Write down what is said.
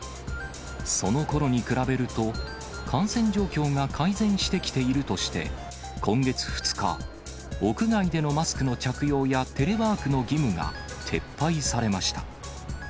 そのころに比べると、感染状況が改善してきているとして、今月２日、屋外でのマスクの着用やテレワークの義務が撤廃されました。